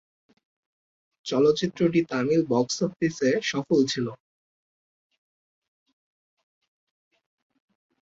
চলচ্চিত্রটি তামিল বক্স অফিসে সফল ছিলো।